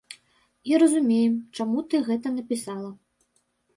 І разумеем, чаму ты гэта напісала.